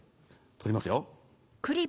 取りますよ。